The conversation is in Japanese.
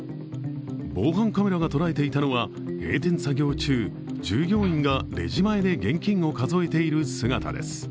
防犯カメラが捉えていたのは、閉店作業中、従業員がレジ前で現金を数えている姿です。